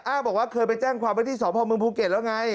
บอกว่าเคยไปแจ้งความว่าที่สพเมืองภูเก็ตแล้วไง